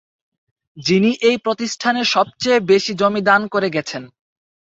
যিনি এই প্রতিষ্ঠানের সবচেয়ে বেশি জমি দান করে গেছেন।